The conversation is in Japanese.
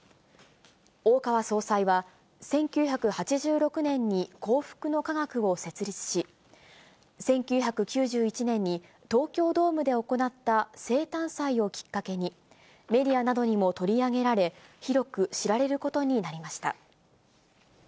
大川総裁は、１９８６年に幸福の科学を設立し、１９９１年に東京ドームで行った生誕祭をきっかけに、メディアなどにも取り上げられ、広く知られることになりました。